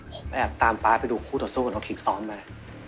ผมแอบตามป๊าไปดูคู่ต่อสู้กับน้องคิกซ้อมมา